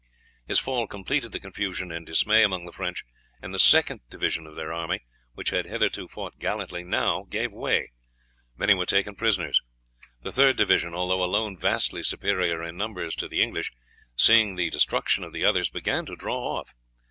His fall completed the confusion and dismay among the French, and the second division of their army, which had hitherto fought gallantly, now gave way. Many were taken prisoners. The third division, although alone vastly superior in numbers to the English, seeing the destruction of the others, began to draw off.